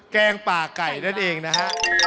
แกงป่าไก่นั่นเองนะฮะ